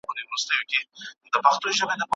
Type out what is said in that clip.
زور د اندیښنو دی د هر وار پر محضر نه راځې